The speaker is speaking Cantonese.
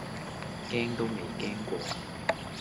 驚都未驚過